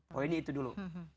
poinnya itu dulu